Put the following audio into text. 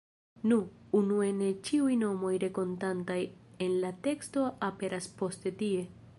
Nu, unue ne ĉiuj nomoj renkontataj en la teksto aperas poste tie.